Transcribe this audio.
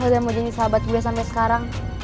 lo udah mau jadi sahabat gue sampe sekarang